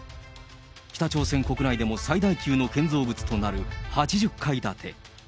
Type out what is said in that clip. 北朝鮮国内でも最大級の建造物となる８０階建て。